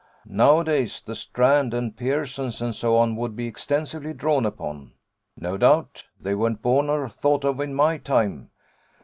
'Nowadays the Strand and Pearson's, and so on, would be extensively drawn upon.' 'No doubt: they weren't born or thought of in my time.